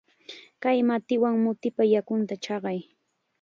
Kay matiwan mutipa yakunta chaqay.